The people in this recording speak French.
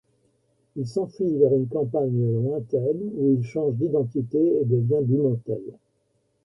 Il s'enfuit vers une campagne lointaine, où il change d'identité et devient Dumontel.